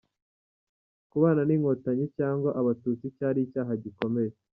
Kubana n’inkotanyi cyangwa Abatutsi cyari icyaha gikomeye.